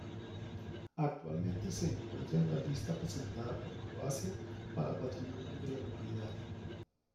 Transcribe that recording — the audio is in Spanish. Actualmente se encuentra en la lista presentada por Croacia para Patrimonio de la Humanidad.